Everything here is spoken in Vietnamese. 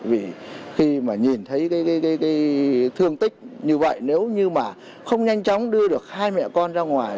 vì khi mà nhìn thấy cái thương tích như vậy nếu như mà không nhanh chóng đưa được hai mẹ con ra ngoài